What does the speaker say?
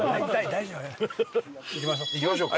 行きましょうか。